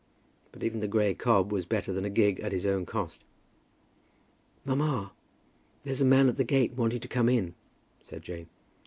But even the grey cob was better than a gig at his own cost. "Mamma, there's a man at the gate wanting to come in," said Jane.